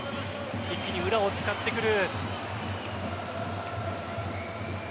一気に裏を使ってくる。